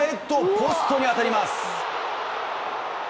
ポストに当たります。